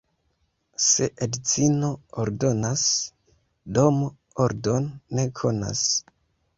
Se edzino ordonas, domo ordon ne konas.